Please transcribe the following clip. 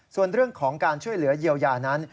ส่วนเรื่องของการช่วยเหลือเยียวยานั้น